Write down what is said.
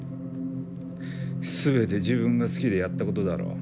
全て自分が好きでやったことだろう？